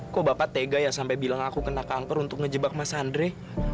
kok bapak tega ya sampai bilang aku kena kanker untuk ngejebak mas andre